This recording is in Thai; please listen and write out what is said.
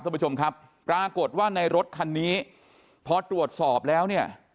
ท่านผู้ชมครับปรากฏว่าในรถคันนี้พอตรวจสอบแล้วเนี่ย